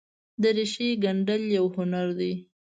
دریشي ګنډل یوه هنر دی.